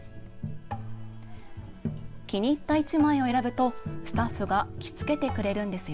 気に入った１枚を選ぶとスタッフが着付けてくれるんです。